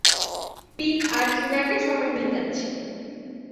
পিট আর জিনাকে শহরে নিয়ে যাচ্ছি।